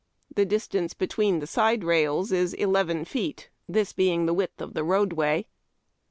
The distance between the side rails is eleven feet, tliis being the width of the roadway.